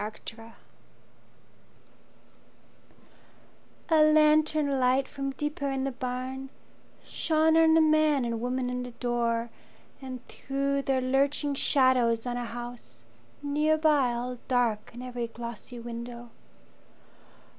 The Fear A LANTERN light from deeper in the barn Shone on a man and woman in the door And threw their lurching shadows on a house Near by, all dark in every glossy window.